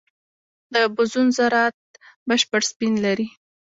د بوزون ذرات بشپړ سپین لري.